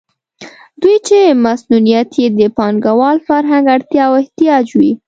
دوی چې مصونیت یې د پانګوال فرهنګ اړتیا او احتیاج وي.